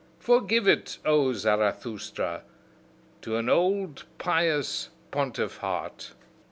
Forgive it, O Zarathustra, to an old, pious pontiff heart!